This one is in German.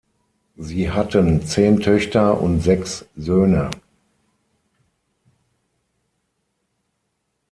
Sie hatten zehn Töchter und sechs Söhne.